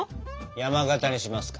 山型にしますか。